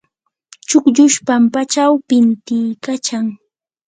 chukllush pampachaw pintiykachan.